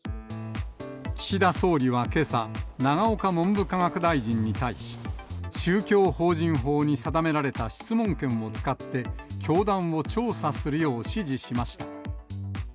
岸田総理はけさ、永岡文部科学大臣に対し、宗教法人法に定められた質問権を使って、教団を調査するよう指示しました。